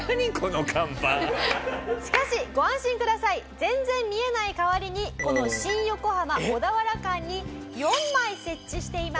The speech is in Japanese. しかしご安心ください。全然見えない代わりにこの新横浜小田原間に４枚設置しています。